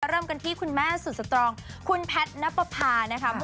เริ่มกันที่คุณแม่สุดสตรองคุณแพทน์นะครับ